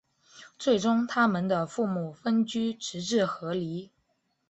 最终他们的父母分居直至和离。